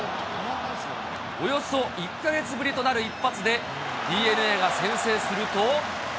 およそ１か月ぶりとなる一発でＤｅＮＡが先制すると。